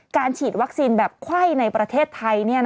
ฉีดวัคซีนแบบไข้ในประเทศไทย